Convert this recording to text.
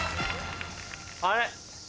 あれ？